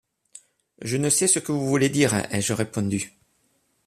Je ne sais ce que vous voulez dire, » ai-je répondu.